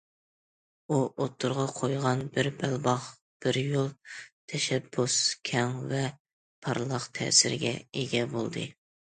ئۇ ئوتتۇرىغا قويغان‹‹ بىر بەلباغ، بىر يول›› تەشەببۇسى كەڭ ۋە پارلاق تەسىرگە ئىگە بولدى.